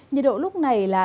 nhiệt độ lúc này là ba mươi